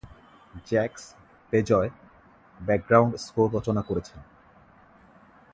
Jacques Bejoy background score রচনা করেছেন।